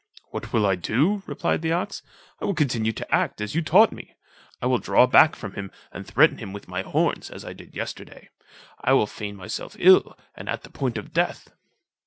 "What will I do?" replied the ox, "I will continue to act as you taught me. I will draw back from him and threaten him with my horns, as I did yesterday: I will feign myself ill, and at the point of death."